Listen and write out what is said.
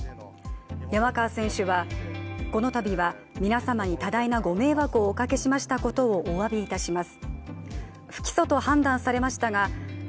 山川選手は、このたびは皆様に多大なご迷惑をおかけしましたことおわび申し上げます。